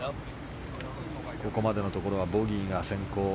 ここまでのところはボギーが先行。